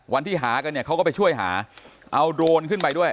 วันที่หากันเนี่ยเขาก็ไปช่วยหาเอาโดรนขึ้นไปด้วย